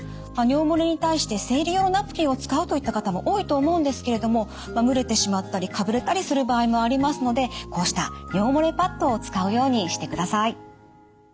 尿漏れに対して生理用のナプキンを使うといった方も多いと思うんですけれどもむれてしまったりかぶれたりする場合もありますのでこうした尿漏れパッドを使うようにしてください。